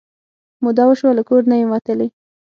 موده وشوه له کور نه یم وتلې